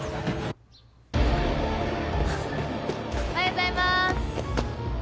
おはようございます！